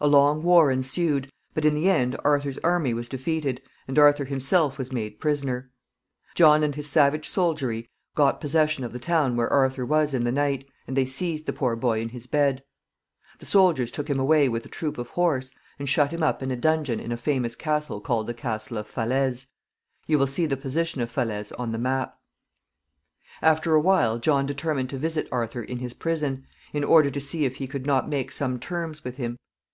A long war ensued, but in the end Arthur's army was defeated, and Arthur himself was made prisoner. John and his savage soldiery got possession of the town where Arthur was in the night, and they seized the poor boy in his bed. The soldiers took him away with a troop of horse, and shut him up in a dungeon in a famous castle called the castle of Falaise. You will see the position of Falaise on the map. After a while John determined to visit Arthur in his prison, in order to see if he could not make some terms with him.